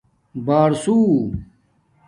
بار سُوں